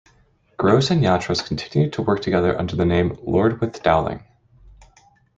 Grose and Yatras continued to work together under the name Lord with Dowling.